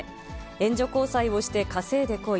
援助交際をして稼いでこい。